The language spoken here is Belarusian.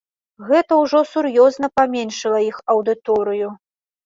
Гэта ўжо сур'ёзна паменшыла іх аўдыторыю.